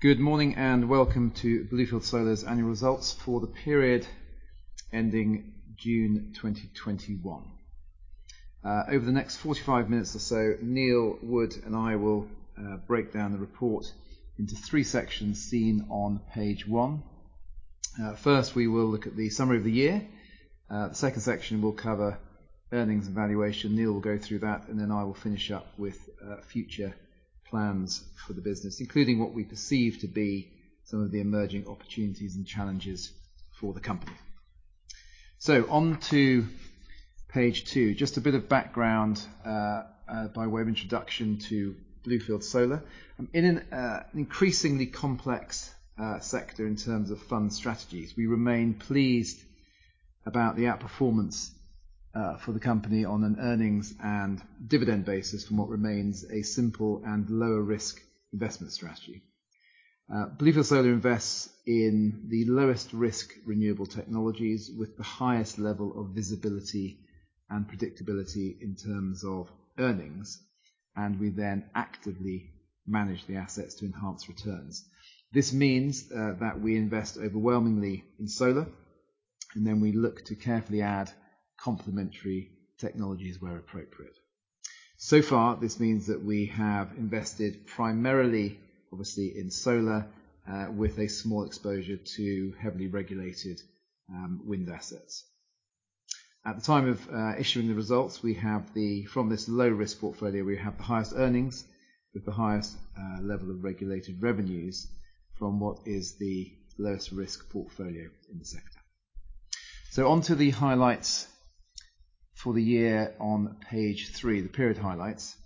Good morning, welcome to Bluefield Solar's annual results for the period ending June 2021. Over the next 45 minutes or so, Neil Wood and I will break down the report into three sections seen on page one. First, we will look at the summary of the year. The second section will cover earnings and valuation. Neil will go through that, and then I will finish up with future plans for the business, including what we perceive to be some of the emerging opportunities and challenges for the company. On to page two, just a bit of background by way of introduction to Bluefield Solar. In an increasingly complex sector in terms of fund strategies, we remain pleased about the outperformance for the company on an earnings and dividend basis from what remains a simple and lower risk investment strategy. Bluefield Solar invests in the lowest risk renewable technologies with the highest level of visibility and predictability in terms of earnings. We then actively manage the assets to enhance returns. This means that we invest overwhelmingly in solar, and then we look to carefully add complementary technologies where appropriate. Far, this means that we have invested primarily, obviously, in solar, with a small exposure to heavily regulated wind assets. At the time of issuing the results from this low risk portfolio, we have the highest earnings with the highest level of regulated revenues from what is the lowest risk portfolio in the sector. Onto the highlights for the year on page three, the period highlights.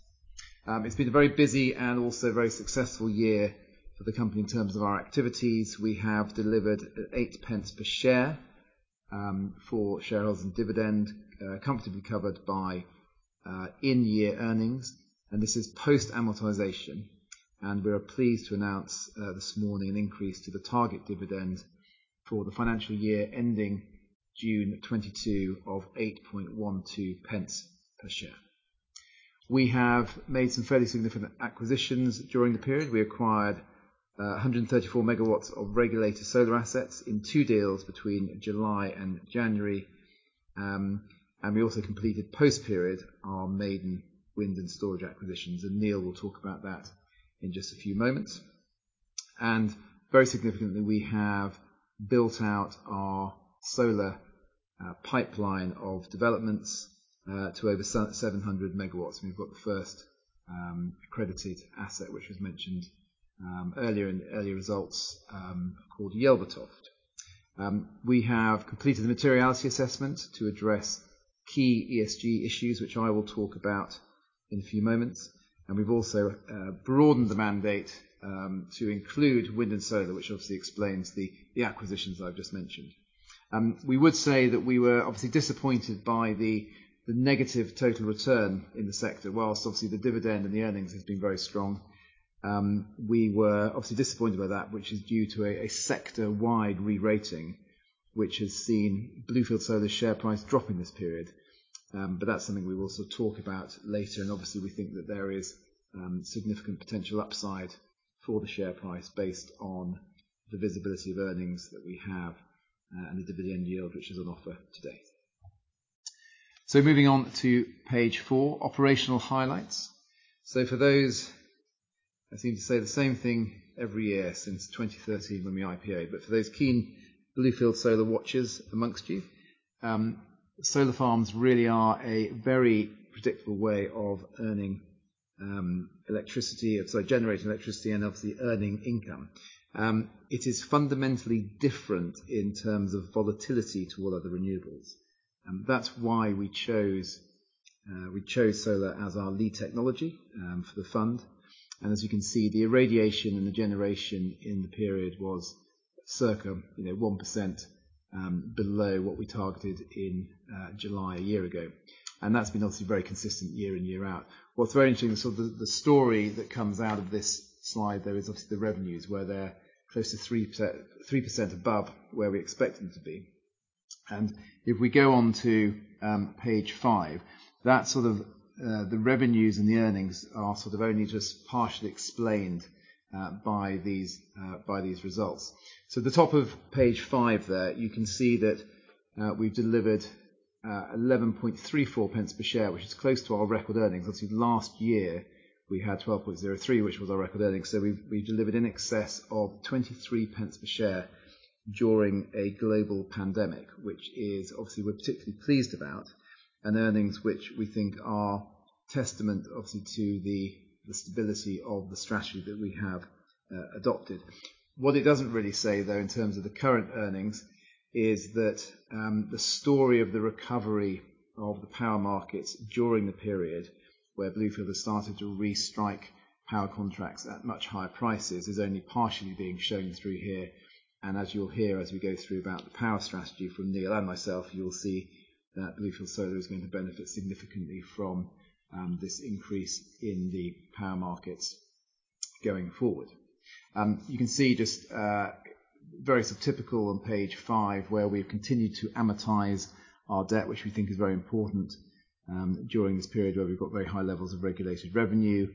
It's been a very busy and also very successful year for the company in terms of our activities. We have delivered 0.08 per share for shareholders and dividend comfortably covered by in-year earnings, and this is post-amortization. We are pleased to announce this morning an increase to the target dividend for the financial year ending June 2022 of 0.0812 per share. We have made some fairly significant acquisitions during the period. We acquired 134 MW of regulated solar assets in two deals between July and January. We also completed post period, our maiden wind and storage acquisitions, and Neil will talk about that in just a few moments. Very significantly, we have built out our solar pipeline of developments to over 700 MW, and we've got the first accredited asset, which was mentioned earlier in the earlier results, called Yelvertoft. We have completed the materiality assessment to address key ESG issues, which I will talk about in a few moments. We've also broadened the mandate to include wind and solar, which obviously explains the acquisitions I've just mentioned. We would say that we were obviously disappointed by the negative total return in the sector, whilst obviously the dividend and the earnings have been very strong. We were obviously disappointed by that, which is due to a sector-wide re-rating, which has seen Bluefield Solar's share price drop in this period. That's something we will talk about later. Obviously we think that there is significant potential upside for the share price based on the visibility of earnings that we have and the dividend yield, which is on offer today. Moving on to page four, operational highlights. For those, I seem to say the same thing every year since 2013 when we IPO-ed. For those keen Bluefield Solar watchers amongst you, solar farms really are a very predictable way of earning electricity, sorry, generating electricity, and obviously earning income. It is fundamentally different in terms of volatility to all other renewables. That's why we chose solar as our lead technology for the fund. As you can see, the irradiation and the generation in the period was circa 1% below what we targeted in July a year ago. That's been obviously very consistent year in, year out. What's very interesting, the story that comes out of this slide, though, is obviously the revenues where they're close to 3% above where we expect them to be. If we go on to page five, the revenues and the earnings are only just partially explained by these results. At the top of page five there, you can see that we've delivered 0.1134 per share, which is close to our record earnings. Last year we had 0.1203, which was our record earnings. We delivered in excess of 0.23 per share during a global pandemic, which obviously we're particularly pleased about, and earnings which we think are testament obviously to the stability of the strategy that we have adopted. It doesn't really say, though, in terms of the current earnings is that the story of the recovery of the power markets during the period where Bluefield has started to restrike power contracts at much higher prices is only partially being shown through here. As you'll hear as we go through about the power strategy from Neil and myself, you'll see that Bluefield Solar is going to benefit significantly from this increase in the power markets going forward. You can see just very typical on page five, where we've continued to amortize our debt, which we think is very important during this period where we've got very high levels of regulated revenue.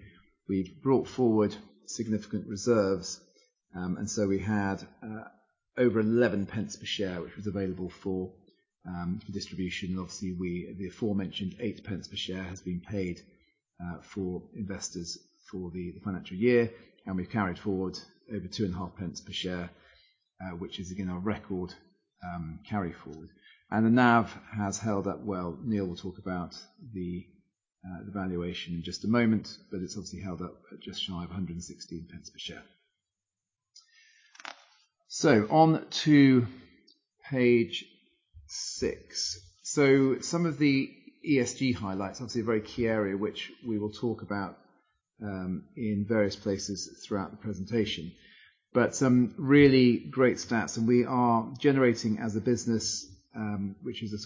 We've brought forward significant reserves, we had over 0.11 per share, which was available for distribution. Obviously, the aforementioned 0.08 per share has been paid for investors for the financial year, we've carried forward over 0.025 per share, which is again, our record carry forward. The NAV has held up well. Neil will talk about the valuation in just a moment, but it's obviously held up at just shy of 1.16 per share. On to page six. Some of the ESG highlights, obviously a very key area, which we will talk about in various places throughout the presentation. Some really great stats, and we are generating as a business, which is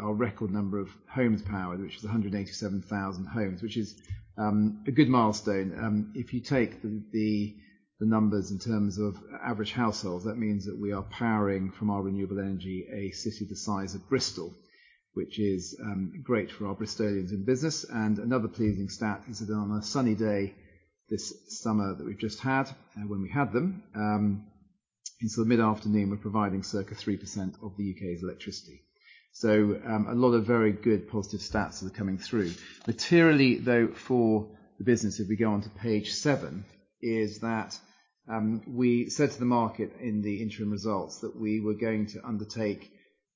our record number of homes powered, which is 187,000 homes, which is a good milestone. If you take the numbers in terms of average households, that means that we are powering from our renewable energy a city the size of Bristol, which is great for our Bristolians in business. Another pleasing stat is that on a sunny day this summer that we've just had, when we had them, into the mid-afternoon, we're providing circa 3% of the U.K.'s electricity. A lot of very good positive stats that are coming through. Materially, though, for the business, if we go on to page seven, is that we said to the market in the interim results that we were going to undertake,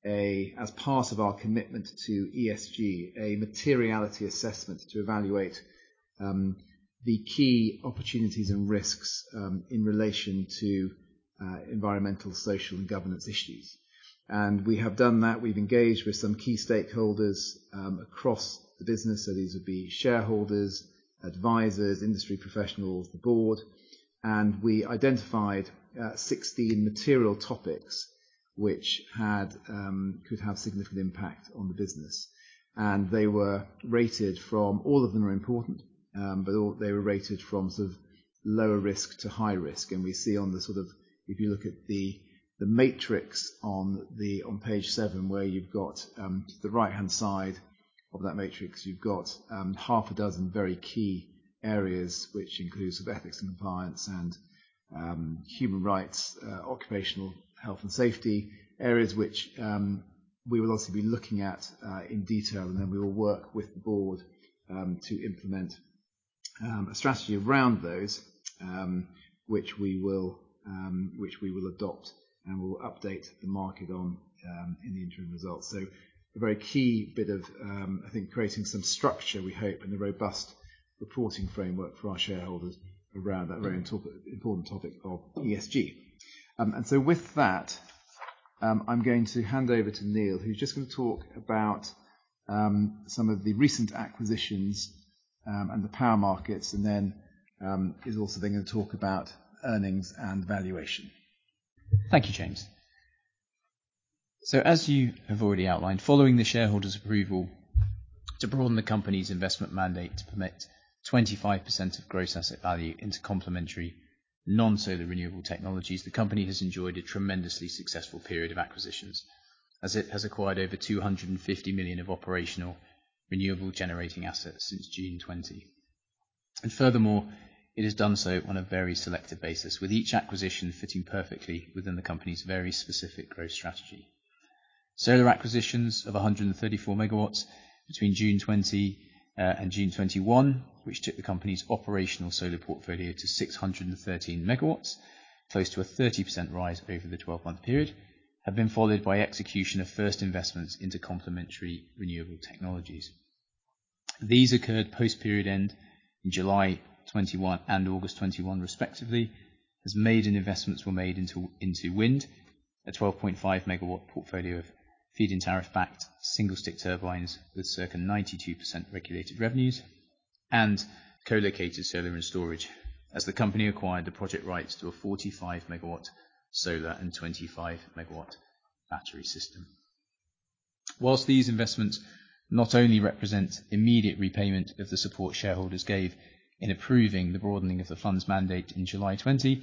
as part of our commitment to ESG, a materiality assessment to evaluate the key opportunities and risks in relation to environmental, social, and governance issues. We have done that. We've engaged with some key stakeholders across the business. These would be shareholders, advisors, industry professionals, the board. We identified 16 material topics which could have significant impact on the business. They were rated, all of them are important, but they were rated from lower risk to high risk. We see on the, if you look at the matrix on page seven where you've got the right-hand side of that matrix, you've got half a dozen very key areas, which includes ethics and compliance and human rights, occupational health and safety areas, which we will also be looking at in detail. Then we will work with the board to implement a strategy around those, which we will adopt, and we'll update the market on in the interim results. A very key bit of I think, creating some structure, we hope, and a robust reporting framework for our shareholders around that very important topic of ESG. With that, I'm going to hand over to Neil, who's just going to talk about some of the recent acquisitions and the power markets, and then is also then going to talk about earnings and valuation. Thank you, James. As you have already outlined, following the shareholders' approval to broaden the company's investment mandate to permit 25% of gross asset value into complementary non-solar renewable technologies, the company has enjoyed a tremendously successful period of acquisitions, as it has acquired over 250 million of operational renewable generating assets since June 2020. Furthermore, it has done so on a very selective basis, with each acquisition fitting perfectly within the company's very specific growth strategy. Solar acquisitions of 134 MW between June 2020 and June 2021, which took the company's operational solar portfolio to 613 MW, close to a 30% rise over the 12-month period, have been followed by execution of first investments into complementary renewable technologies. These occurred post period end in July 2021 and August 2021 respectively, as maiden investments were made into wind, a 12.5 MW portfolio of feed-in tariff backed single stick turbines with circa 92% regulated revenues and co-located solar and storage as the Company acquired the project rights to a 45 MW solar and 25 MW battery system. Whilst these investments not only represent immediate repayment of the support shareholders gave in approving the broadening of the Fund's mandate in July 2020,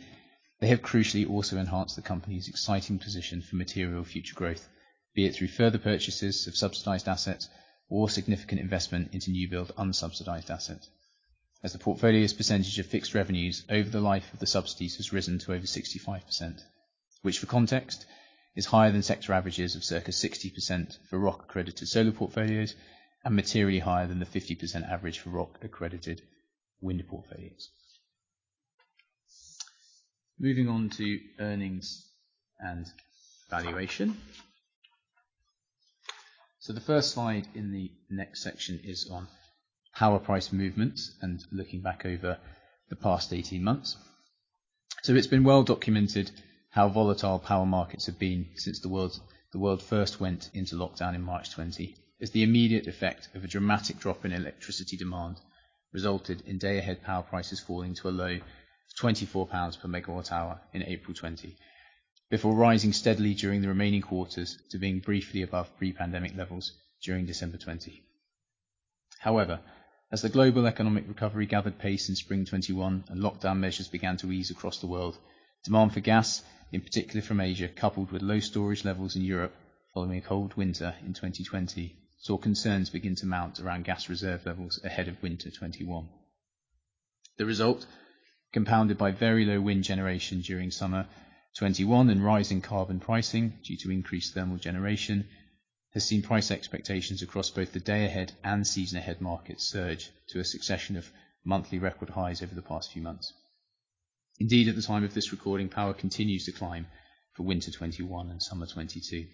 they have crucially also enhanced the Company's exciting position for material future growth. Be it through further purchases of subsidized assets or significant investment into new build unsubsidized assets. As the portfolio's percentage of fixed revenues over the life of the subsidies has risen to over 65%, which for context is higher than sector averages of circa 60% for ROC accredited solar portfolios and materially higher than the 50% average for ROC accredited wind portfolios. Moving on to earnings and valuation. The first slide in the next section is on power price movement and looking back over the past 18 months. It's been well documented how volatile power markets have been since the world first went into lockdown in March 2020. As the immediate effect of a dramatic drop in electricity demand resulted in day ahead power prices falling to a low of 24 pounds per MWh in April 2020, before rising steadily during the remaining quarters to being briefly above pre-pandemic levels during December 2020. However, as the global economic recovery gathered pace in spring 2021 and lockdown measures began to ease across the world, demand for gas, in particular from Asia, coupled with low storage levels in Europe following a cold winter in 2020, saw concerns begin to mount around gas reserve levels ahead of winter 2021. The result, compounded by very low wind generation during summer 2021 and rising carbon pricing due to increased thermal generation, has seen price expectations across both the day ahead and season ahead market surge to a succession of monthly record highs over the past few months. Indeed, at the time of this recording, power continues to climb for winter 2021 and summer 2022.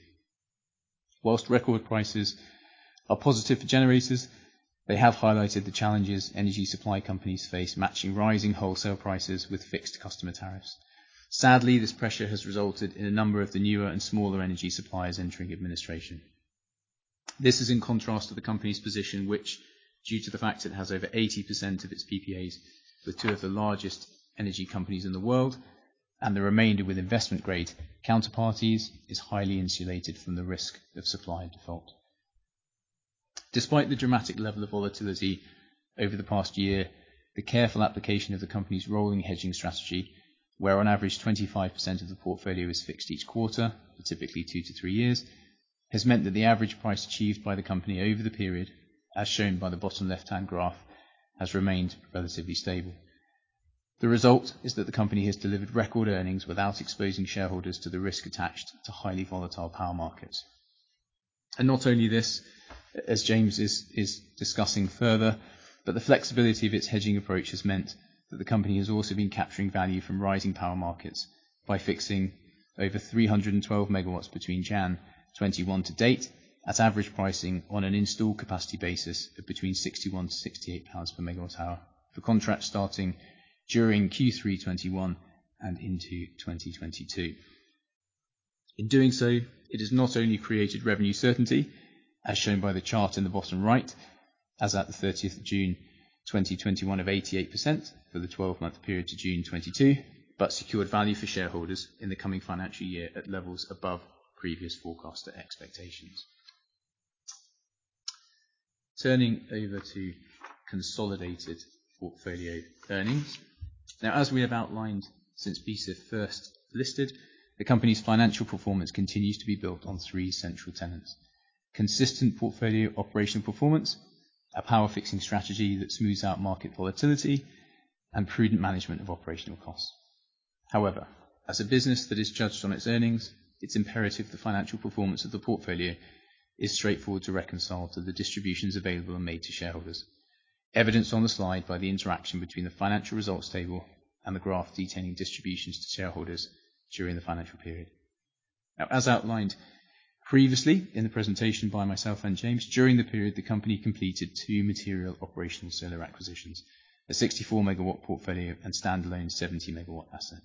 Whilst record prices are positive for generators, they have highlighted the challenges energy supply companies face matching rising wholesale prices with fixed customer tariffs. Sadly, this pressure has resulted in a number of the newer and smaller energy suppliers entering administration. This is in contrast to the company's position, which, due to the fact it has over 80% of its PPAs with two of the largest energy companies in the world, and the remainder with investment-grade counterparties, is highly insulated from the risk of supply and default. Despite the dramatic level of volatility over the past year, the careful application of the company's rolling hedging strategy, where on average 25% of the portfolio is fixed each quarter for typically two to three years, has meant that the average price achieved by the company over the period, as shown by the bottom left-hand graph, has remained relatively stable. The result is that the company has delivered record earnings without exposing shareholders to the risk attached to highly volatile power markets. Not only this, as James is discussing further, but the flexibility of its hedging approach has meant that the company has also been capturing value from rising power markets by fixing over 312 MW between January 2021 to date at average pricing on an installed capacity basis of between 61-68 pounds per MGh for contracts starting during Q3 2021 and into 2022. In doing so, it has not only created revenue certainty, as shown by the chart in the bottom right, as at the June 30th, 2021 of 88% for the 12-month period to June 2022, but secured value for shareholders in the coming financial year at levels above previous forecast and expectations. Turning over to consolidated portfolio earnings. As we have outlined since BSIF first listed, the company's financial performance continues to be built on three central tenets. Consistent portfolio operational performance, a power-fixing strategy that smooths out market volatility, and prudent management of operational costs. However, as a business that is judged on its earnings, it's imperative the financial performance of the portfolio is straightforward to reconcile to the distributions available and made to shareholders. Evidenced on the slide by the interaction between the financial results table and the graph detailing distributions to shareholders during the financial period. As outlined previously in the presentation by myself and James, during the period, the company completed two material operational solar acquisitions, a 64 MW portfolio and standalone 70 MW asset.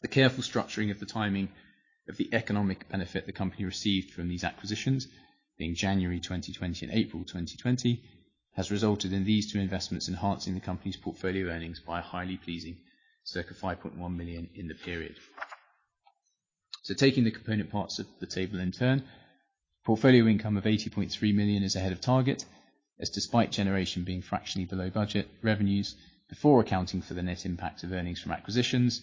The careful structuring of the timing of the economic benefit the company received from these acquisitions, being January 2020 and April 2020, has resulted in these two investments enhancing the company's portfolio earnings by a highly pleasing circa 5.1 million in the period. Taking the component parts of the table in turn, portfolio income of 80.3 million is ahead of target, as despite generation being fractionally below budget, revenues before accounting for the net impact of earnings from acquisitions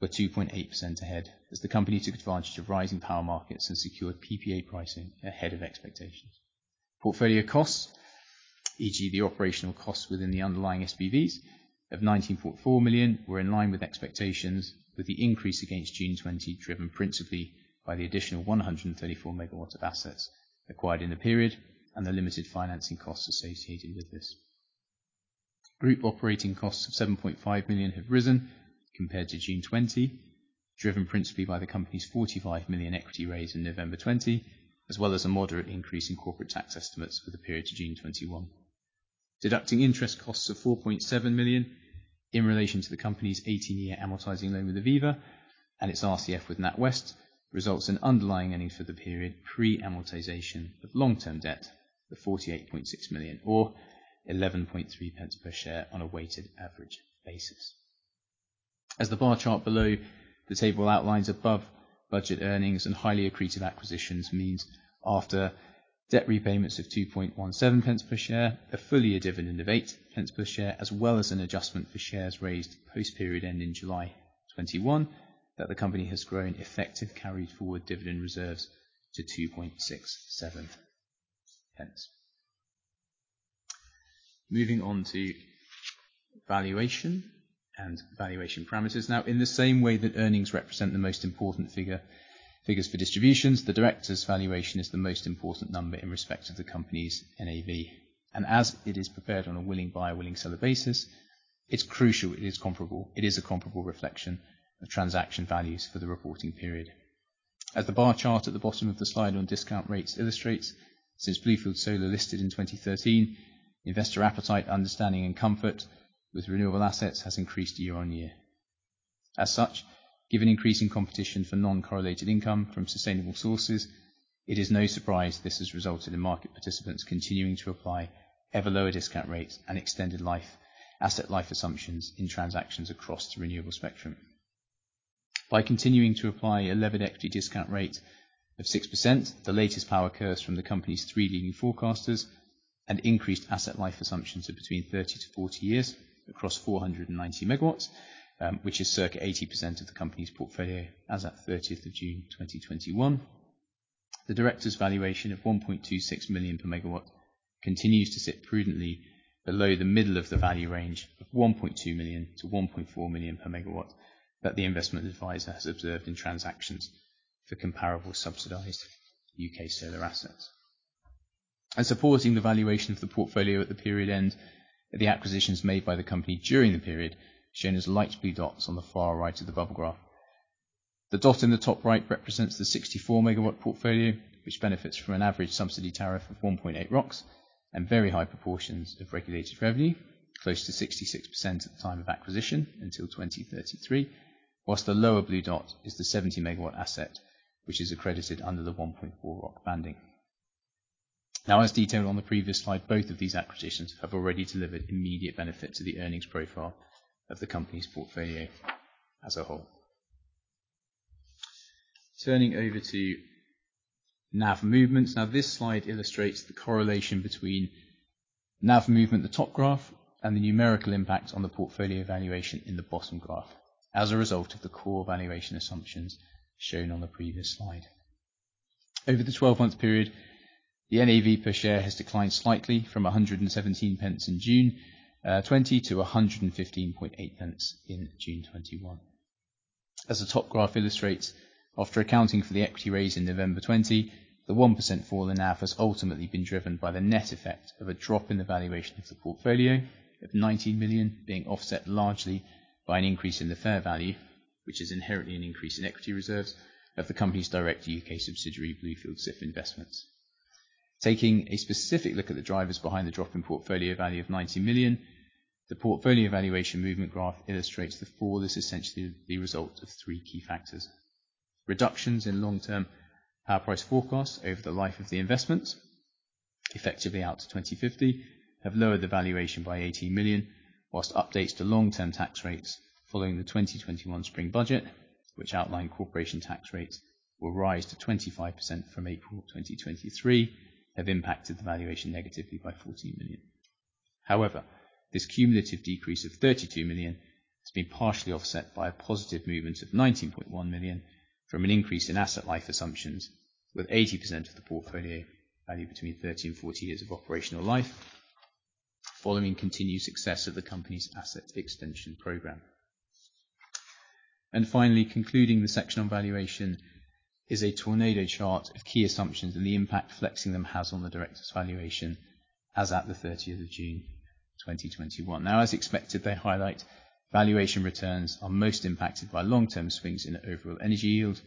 were 2.8% ahead as the company took advantage of rising power markets and secured PPA pricing ahead of expectations. Portfolio costs, e.g. the operational costs within the underlying SPVs of 19.4 million were in line with expectations with the increase against June 2020 driven principally by the additional 134 MW of assets acquired in the period and the limited financing costs associated with this. Group operating costs of 7.5 million have risen compared to June 2020, driven principally by the company's 45 million equity raise in November 2020, as well as a moderate increase in corporate tax estimates for the period to June 2021. Deducting interest costs of 4.7 million in relation to the company's 18-year amortizing loan with Aviva and its RCF with NatWest results in underlying earnings for the period pre-amortization of long-term debt of 48.6 million or 0.113 per share on a weighted average basis. As the bar chart below the table outlines above budget earnings and highly accretive acquisitions means after debt repayments of 0.0217 per share, a full-year dividend of 0.08 per share, as well as an adjustment for shares raised post period ending July 2021, that the company has grown effective carried forward dividend reserves to 0.0267. Moving on to valuation and valuation parameters. In the same way that earnings represent the most important figures for distributions, the directors' valuation is the most important number in respect of the company's NAV. As it is prepared on a willing buyer, willing seller basis, it's crucial it is a comparable reflection of transaction values for the reporting period. As the bar chart at the bottom of the slide on discount rates illustrates, since Bluefield Solar listed in 2013, investor appetite, understanding, and comfort with renewable assets has increased year on year. As such, given increasing competition for non-correlated income from sustainable sources, it is no surprise this has resulted in market participants continuing to apply ever-lower discount rates and extended asset life assumptions in transactions across the renewable spectrum, by continuing to apply a levered equity discount rate of 6%, the latest power curves from the company's third-party forecasters and increased asset life assumptions of between 30-40 years across 490 MW, which is circa 80% of the company's portfolio as at June 30th, 2021. The director's valuation of 1.26 million per MW continues to sit prudently below the middle of the value range of 1.2 million-1.4 million per MW that the investment adviser has observed in transactions for comparable subsidized U.K. solar assets. Supporting the valuation of the portfolio at the period end are the acquisitions made by the company during the period, shown as light blue dots on the far right of the bubble graph. The dot in the top right represents the 64-MW portfolio, which benefits from an average subsidy tariff of 1.8 ROCs and very high proportions of regulated revenue, close to 66% at the time of acquisition until 2033. Whilst the lower blue dot is the 70-MW asset, which is accredited under the 1.4 ROC banding. As detailed on the previous slide, both of these acquisitions have already delivered immediate benefit to the earnings profile of the company's portfolio as a whole. Turning over to NAV movements. This slide illustrates the correlation between NAV movement, the top graph, and the numerical impact on the portfolio valuation in the bottom graph as a result of the core valuation assumptions shown on the previous slide. Over the 12-month period, the NAV per share has declined slightly from 1.17 in June 2020 to 1.158 in June 2021. As the top graph illustrates, after accounting for the equity raise in November 2020, the 1% fall in NAV has ultimately been driven by the net effect of a drop in the valuation of the portfolio of 90 million, being offset largely by an increase in the fair value, which is inherently an increase in equity reserves of the company's direct U.K. subsidiary, Bluefield SIF Investments. Taking a specific look at the drivers behind the drop in portfolio value of 90 million, the portfolio valuation movement graph illustrates the fall is essentially the result of three key factors. Reductions in long-term power price forecasts over the life of the investment, effectively out to 2050, have lowered the valuation by 18 million, whilst updates to long-term tax rates following the 2021 spring budget, which outline corporation tax rates will rise to 25% from April 2023, have impacted the valuation negatively by 14 million. This cumulative decrease of 32 million has been partially offset by a positive movement of 19.1 million from an increase in asset life assumptions, with 80% of the portfolio valued between 30 and 40 years of operational life following continued success of the company's asset extension program. Finally, concluding the section on valuation is a tornado chart of key assumptions and the impact flexing them has on the director's valuation as at the June 30th, 2021. Now, as expected, they highlight valuation returns are most impacted by long-term swings in the overall energy yield,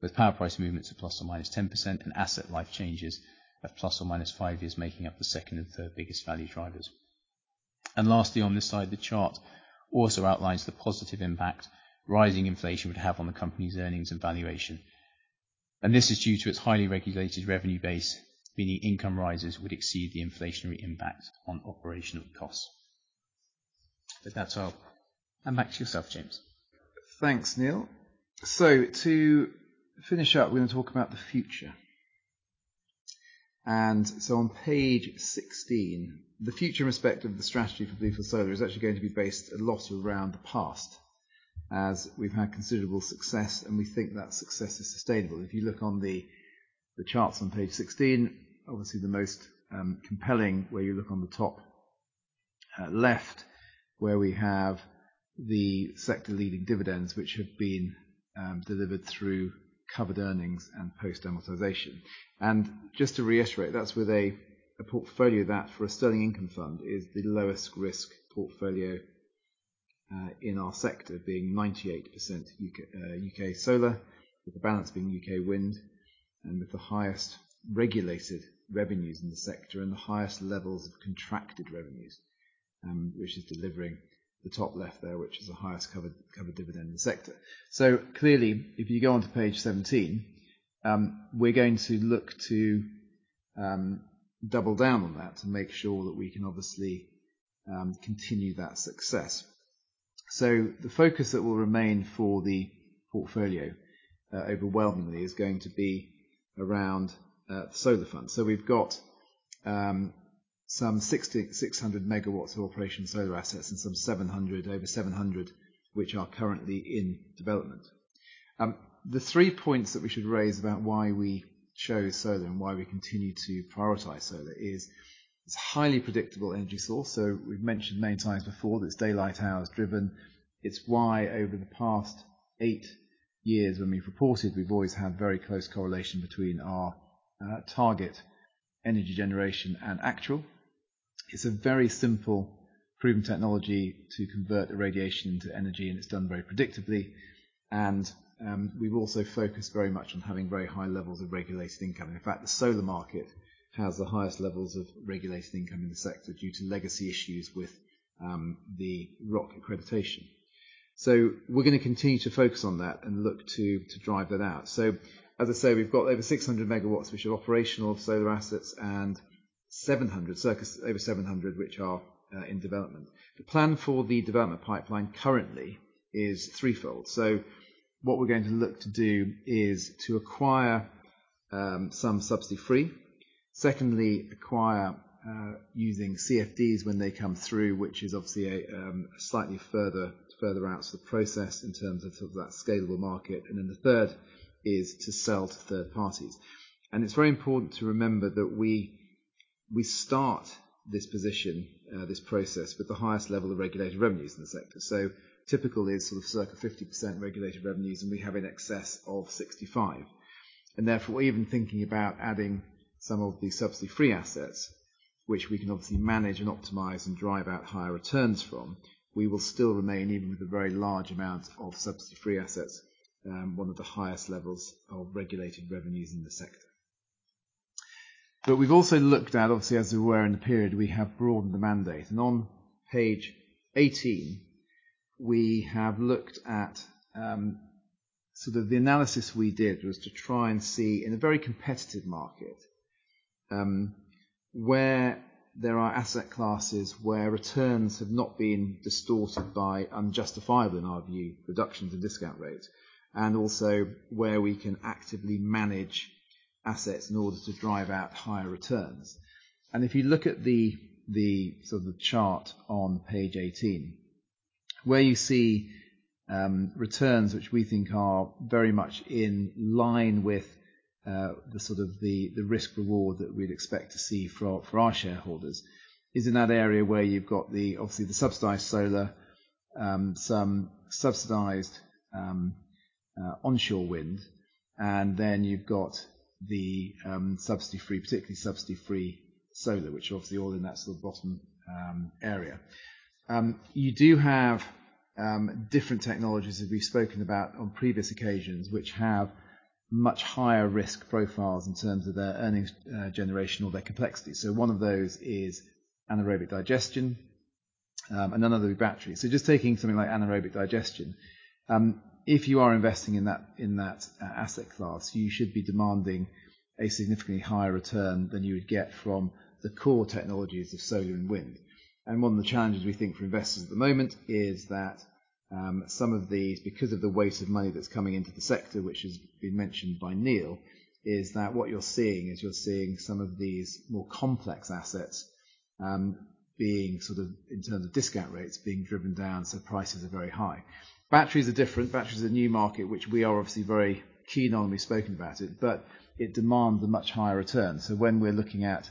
with power price movements of ±10% and asset life changes of ±5 years making up the second and third biggest value drivers. Lastly on this side, the chart also outlines the positive impact rising inflation would have on the company's earnings and valuation. This is due to its highly regulated revenue base, meaning income rises would exceed the inflationary impact on operational costs. With that, I'll hand back to you, James. Thanks, Neil. To finish up, we're going to talk about the future. On page 16, the future in respect of the strategy for Bluefield Solar is actually going to be based a lot around the past, as we've had considerable success, and we think that success is sustainable. If you look on the charts on page 16, obviously the most compelling, where you look on the top left, where we have the sector-leading dividends, which have been delivered through covered earnings and post-amortization. Just to reiterate, that's with a portfolio that for a sterling income fund is the lowest risk portfolio, in our sector, being 98% U.K. Solar, with the balance being U.K. Wind, and with the highest regulated revenues in the sector and the highest levels of contracted revenues, which is delivering the top left there, which is the highest covered dividend in the sector. Clearly, if you go on to page 17, we're going to look to double down on that to make sure that we can obviously continue that success. The focus that will remain for the portfolio overwhelmingly is going to be around the Solar Fund. We've got some 6,600 MW of operational Solar assets and over 700 MW, which are currently in development. The three points that we should raise about why we chose solar and why we continue to prioritize solar is it's a highly predictable energy source. We've mentioned many times before that it's daylight hours driven. It's why over the past eight years when we've reported, we've always had very close correlation between our target energy generation and actual. It's a very simple proven technology to convert irradiation into energy, and it's done very predictably. We've also focused very much on having very high levels of regulated income. In fact, the solar market has the highest levels of regulated income in the sector due to legacy issues with the ROC accreditation. We're going to continue to focus on that and look to drive that out. As I say, we've got over 600 MW which are operational solar assets and 700 MW, circa over 700 MW, which are in development. The plan for the development pipeline currently is three-fold. What we're going to look to do is to acquire some subsidy-free. Secondly, acquire using CFDs when they come through, which is obviously slightly further out to the process in terms of that scalable market. The third is to sell to third parties. It's very important to remember that we start this position, this process, with the highest level of regulated revenues in the sector. Typically, it's circa 50% regulated revenues, and we have in excess of 65%. Therefore, even thinking about adding some of these subsidy-free assets, which we can obviously manage and optimize and drive out higher returns from, we will still remain even with a very large amount of subsidy-free assets, one of the highest levels of regulated revenues in the sector. We've also looked at, obviously, as we were in the period, we have broadened the mandate. On page 18, we have looked at the analysis we did was to try and see in a very competitive market, where there are asset classes where returns have not been distorted by unjustifiable, in our view, reductions in discount rates, and also where we can actively manage assets in order to drive out higher returns. If you look at the chart on page 18, where you see returns which we think are very much in line with the risk reward that we'd expect to see for our shareholders is in that area where you've got obviously the subsidized solar, some subsidized onshore wind, and then you've got the subsidy-free, particularly subsidy-free solar, which obviously all in that bottom area. You do have different technologies as we've spoken about on previous occasions, which have much higher risk profiles in terms of their earnings generation or their complexity. One of those is anaerobic digestion, and another would be batteries. Just taking something like anaerobic digestion. If you are investing in that asset class, you should be demanding a significantly higher return than you would get from the core technologies of solar and wind. One of the challenges we think for investors at the moment is that some of these, because of the weight of money that's coming into the sector, which has been mentioned by Neil, is that what you're seeing some of these more complex assets being, in terms of discount rates, being driven down, so prices are very high. Batteries are different. Batteries are a new market, which we are obviously very keen on. We've spoken about it demands a much higher return. When we're looking at,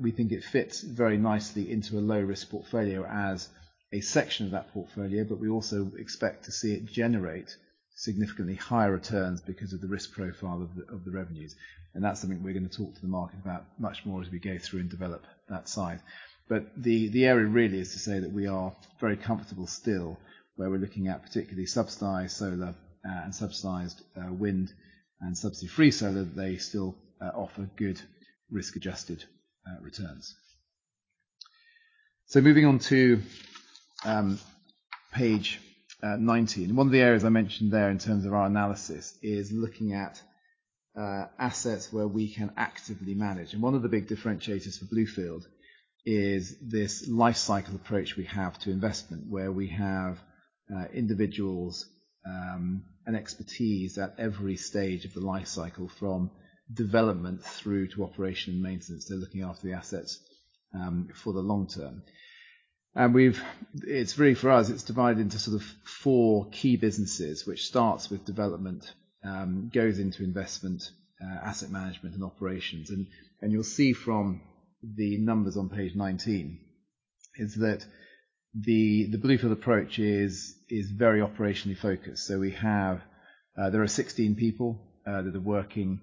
we think it fits very nicely into a low-risk portfolio as a section of that portfolio, but we also expect to see it generate significantly higher returns because of the risk profile of the revenues. That's something we're going to talk to the market about much more as we go through and develop that side. The area really is to say that we are very comfortable still where we're looking at particularly subsidized solar and subsidized wind and subsidy-free solar. They still offer good risk-adjusted returns. Moving on to page 19. One of the areas I mentioned there in terms of our analysis is looking at assets where we can actively manage. One of the big differentiators for Bluefield is this life cycle approach we have to investment, where we have individuals and expertise at every stage of the life cycle, from development through to operation and maintenance. Looking after the asset for the long term. It's really for us, it's divided into four key businesses, which starts with development, goes into investment, asset management, and operations. You'll see from the numbers on page 19 is that the Bluefield approach is very operationally focused. There are 16 people that are working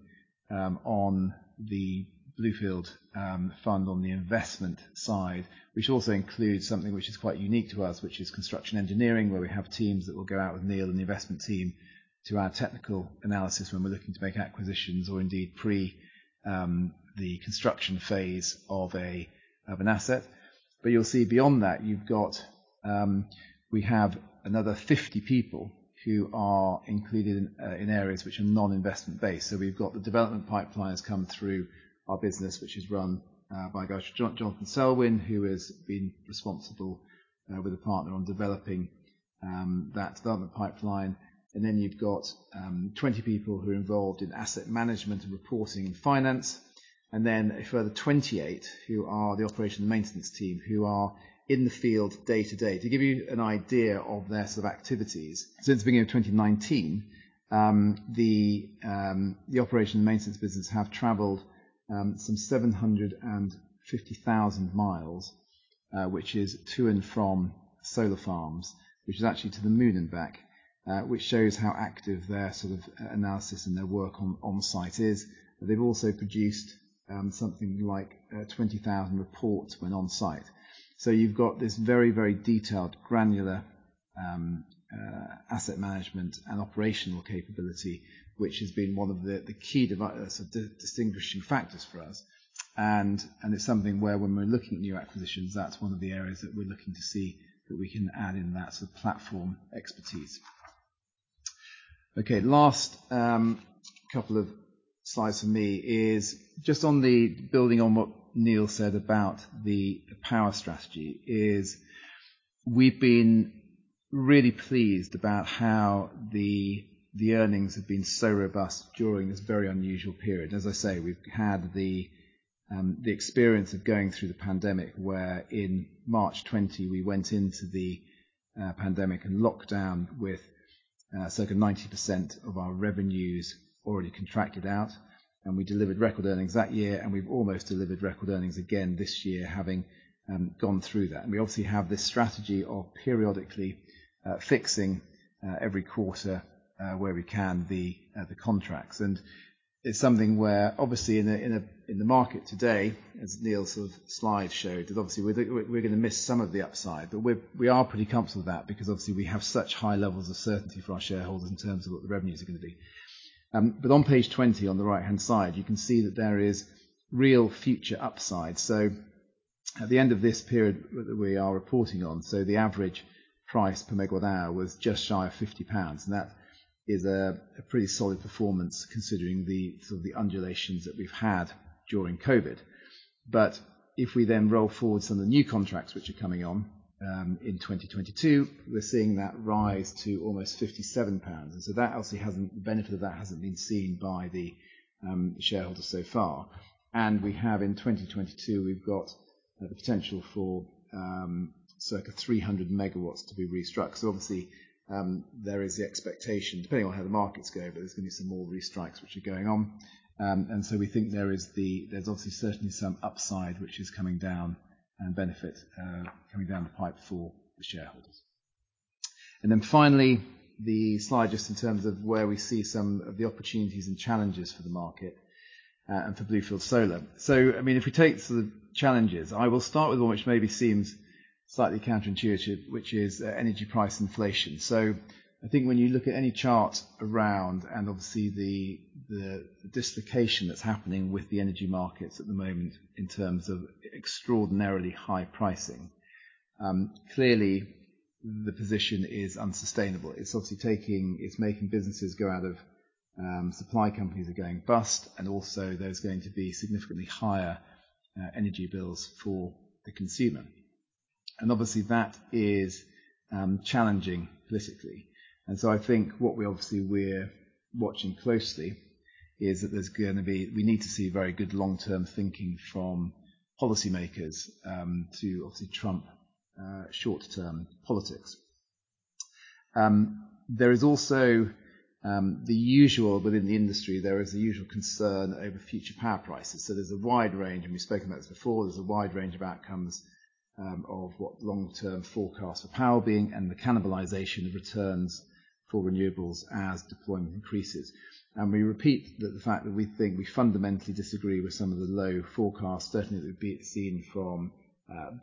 on the Bluefield fund on the investment side, which also includes something which is quite unique to us, which is construction engineering, where we have teams that will go out with Neil and the investment team to our technical analysis when we're looking to make acquisitions or indeed pre the construction phase of an asset. You'll see beyond that, we have another 50 people who are included in areas which are non-investment based. We've got the development pipeline has come through our business, which is run by Jonathan Selwyn, who has been responsible with a partner on developing that development pipeline. You've got 20 people who are involved in asset management and reporting and finance, and then a further 28 who are the operation and maintenance team who are in the field day to day. To give you an idea of their sort of activities, since the beginning of 2019, the operation maintenance business have traveled some 750,000 miles, which is to and from solar farms, which is actually to the moon and back, which shows how active their analysis and their work on site is. They've also produced something like 20,000 reports when on site. You've got this very detailed granular asset management and operational capability, which has been one of the key distinguishing factors for us and it's something where when we're looking at new acquisitions, that's one of the areas that we're looking to see that we can add in that platform expertise. Last couple of slides for me is just on the building on what Neil said about the power strategy is we've been really pleased about how the earnings have been so robust during this very unusual period. As I say, we've had the experience of going through the pandemic, where in March 2020, we went into the pandemic and lockdown with circa 90% of our revenues already contracted out, and we delivered record earnings that year, and we've almost delivered record earnings again this year having gone through that. We obviously have this strategy of periodically fixing every quarter, where we can, the contracts. It's something where, obviously, in the market today, as Neil's slide showed, that obviously we're going to miss some of the upside. We are pretty comfortable with that because obviously we have such high levels of certainty for our shareholders in terms of what the revenues are going to be. On page 20, on the right-hand side, you can see that there is real future upside. At the end of this period that we are reporting on, the average price per megawatt hour was just shy of 50 pounds. That is a pretty solid performance considering the sort of the undulations that we've had during COVID. If we then roll forward some of the new contracts which are coming on in 2022, we're seeing that rise to almost 57 pounds. The benefit of that hasn't been seen by the shareholders so far. We have in 2022, we've got the potential for circa 300 MW to be restruck. Obviously, there is the expectation, depending on how the markets go, but there's going to be some more restrikes which are going on. We think there's obviously certainly some upside which is coming down and benefit coming down the pipe for the shareholders. Finally, the slide just in terms of where we see some of the opportunities and challenges for the market and for Bluefield Solar. If we take sort of challenges, I will start with one which maybe seems slightly counterintuitive, which is energy price inflation. I think when you look at any chart around, obviously the dislocation that's happening with the energy markets at the moment in terms of extraordinarily high pricing, clearly the position is unsustainable. It's making businesses go out of supply companies are going bust and also there's going to be significantly higher energy bills for the consumer. Obviously that is challenging politically. I think what we're watching closely is that there's going to be, we need to see very good long-term thinking from policymakers, to obviously trump short-term politics. There is also the usual within the industry, there is the usual concern over future power prices. There's a wide range, and we've spoken about this before. There's a wide range of outcomes, of what long-term forecasts of power being and the cannibalization of returns for renewables as deployment increases. We repeat that the fact that we think we fundamentally disagree with some of the low forecasts, certainly that we've seen from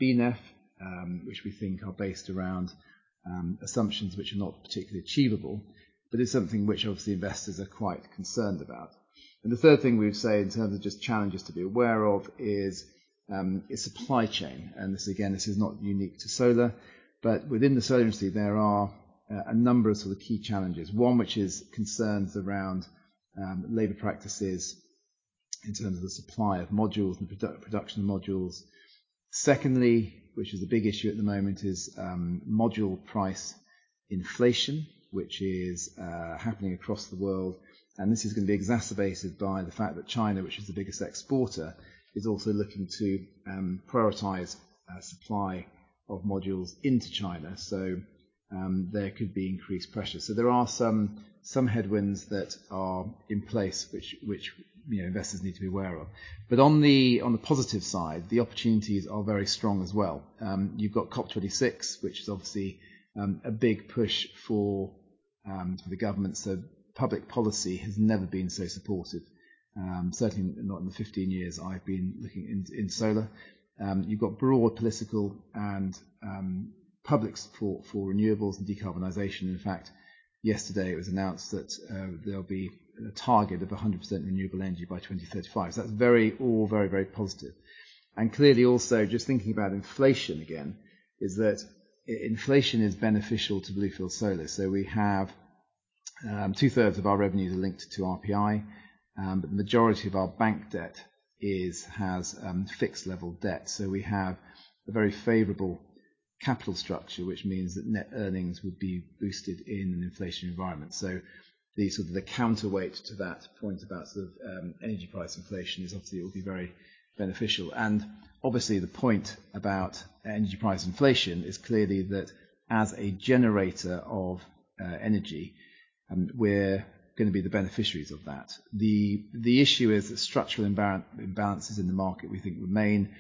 BNEF, which we think are based around assumptions which are not particularly achievable. It's something which obviously investors are quite concerned about. The third thing we'd say in terms of just challenges to be aware of is supply chain. This, again, this is not unique to solar. Within the solar industry, there are a number of key challenges. One, which is concerns around labor practices in terms of the supply of modules and production of modules. Secondly, which is a big issue at the moment, is module price inflation, which is happening across the world. This is going to be exacerbated by the fact that China, which is the biggest exporter, is also looking to prioritize supply of modules into China. There could be increased pressure. There are some headwinds that are in place which investors need to be aware of. On the positive side, the opportunities are very strong as well. You've got COP26, which is obviously a big push for the government. Public policy has never been so supportive, certainly not in the 15 years I've been looking in solar. You've got broad political and public support for renewables and decarbonization. In fact, yesterday it was announced that there'll be a target of 100% renewable energy by 2035. That's all very positive. Clearly also just thinking about inflation again, is that inflation is beneficial to Bluefield Solar. We have two thirds of our revenues are linked to RPI. The majority of our bank debt has fixed level debt. We have a very favorable capital structure, which means that net earnings would be boosted in an inflation environment. The counterweight to that point about energy price inflation is obviously it will be very beneficial. Obviously the point about energy price inflation is clearly that as a generator of energy, we're going to be the beneficiaries of that. The issue is that structural imbalances in the market we think remain.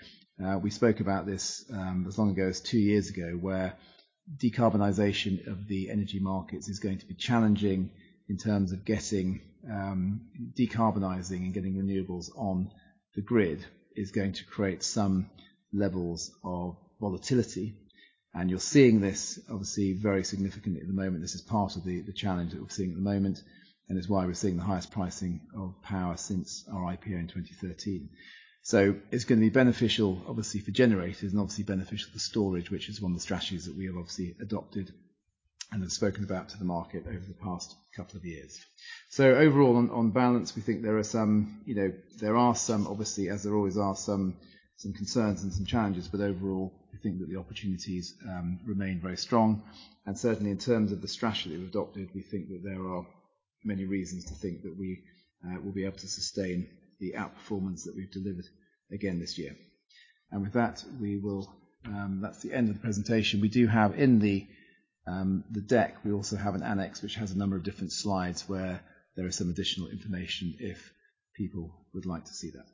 We spoke about this as long ago as two years ago, where decarbonization of the energy markets is going to be challenging in terms of getting decarbonizing and getting renewables on the grid is going to create some levels of volatility. You're seeing this obviously very significantly at the moment. This is part of the challenge that we're seeing at the moment, and is why we're seeing the highest pricing of power since our IPO in 2013. It's going to be beneficial, obviously, for generators and obviously beneficial to storage, which is one of the strategies that we have obviously adopted and have spoken about to the market over the past couple of years. Overall on balance, we think there are some obviously, as there always are some concerns and some challenges. Overall, we think that the opportunities remain very strong. Certainly in terms of the strategy we've adopted, we think that there are many reasons to think that we will be able to sustain the outperformance that we've delivered again this year. With that's the end of the presentation. We do have in the deck, we also have an annex, which has a number of different slides where there is some additional information if people would like to see that.